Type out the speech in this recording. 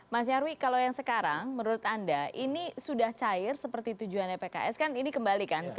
mas nyarwi kalau yang sekarang menurut anda ini sudah cair seperti tujuannya pks kan ini kembali kan